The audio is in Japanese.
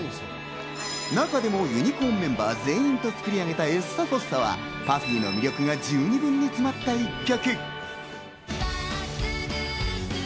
中でもＵＮＩＣＯＲＮメンバー全員と作り上げた『エッサフォッサ』はＰＵＦＦＹの魅力が十二分に詰まった１曲。